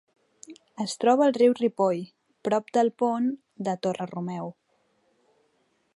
Es troba al riu Ripoll, prop del pont de Torre-romeu.